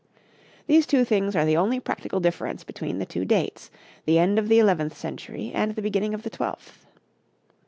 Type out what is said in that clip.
These two things are the only practical difference between the two dates the end of the eleventh century and the beginning of the twelfth.